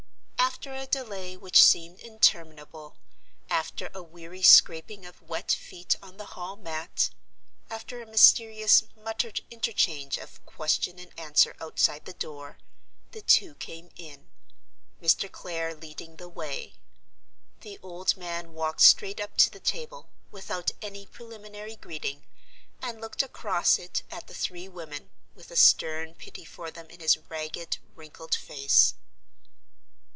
After a delay which seemed interminable; after a weary scraping of wet feet on the hall mat; after a mysterious, muttered interchange of question and answer outside the door, the two came in—Mr. Clare leading the way. The old man walked straight up to the table, without any preliminary greeting, and looked across it at the three women, with a stern pity for them in his ragged, wrinkled face.